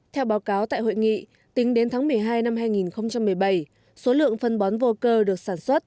theo báo cáo tại hội nghị tính đến tháng một mươi hai năm hai nghìn một mươi bảy số lượng phân bón vô cơ được sản xuất